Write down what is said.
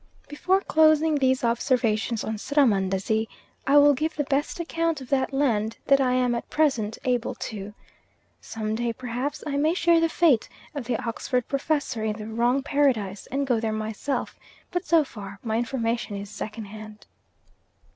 Before closing these observations on Srahmandazi I will give the best account of that land that I am at present able to. Some day perhaps I may share the fate of the Oxford Professor in In the Wrong Paradise and go there myself, but so far my information is second hand.